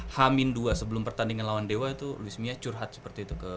hamin dua sebelum pertandingan lawan dewa itu luisminya curhat seperti itu ke